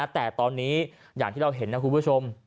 แต่ตอนนี้อย่างที่เราเห็นนะคุณผู้ชม